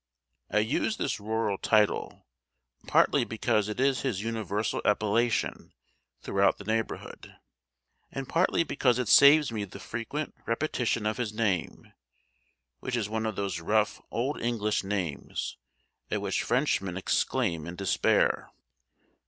I use this rural title, partly because it is his universal appellation throughout the neighbourhood, and partly because it saves me the frequent repetition of his name, which is one of those rough old English names at which Frenchmen exclaim in despair.